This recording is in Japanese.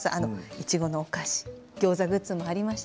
いちごのお菓子やギョーザグッズもありました。